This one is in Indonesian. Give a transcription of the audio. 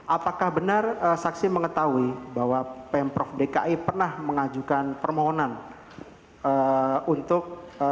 apakah benar saksi mengetahui bahwa pemprov dki pernah mengajukan permohonan untuk